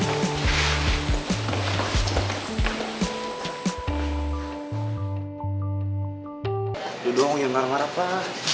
udah dong yan marah marah pak